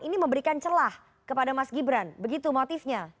ini memberikan celah kepada mas gibran begitu motifnya